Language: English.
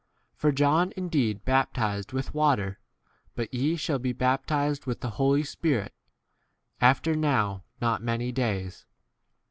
For John indeed baptized with water, but ye shall be bap tized with the Holy Spirit after 6 now not many days.